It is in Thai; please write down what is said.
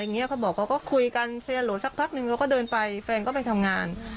เขาบอกเขาก็คุยกันเฟียโหลสักพักนึงเขาก็เดินไปแฟนก็ไปทำงาน